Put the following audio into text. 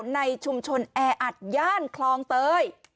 ในชุมชนแออัดย่านคลองเตย